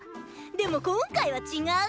でも今回は違う！